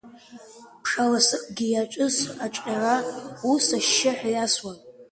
Ԥша ласыкгьы иаҿыс аҿҟьара, ус ашьшьыҳәа иасуан.